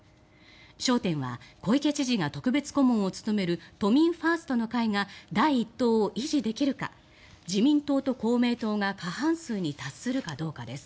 焦点は小池都知事が特別顧問を務める都民ファーストの会が第１党を維持できるか自民党と公明党が過半数に達するかどうかです。